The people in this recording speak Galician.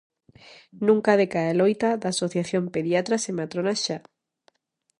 Nunca decae a loita da asociación pediatras e matronas xa.